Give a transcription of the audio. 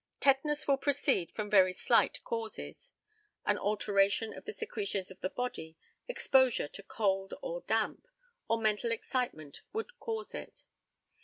Tetanus will proceed from very slight causes. An alteration of the secretions of the body, exposure to cold or damp, or mental excitement would cause it.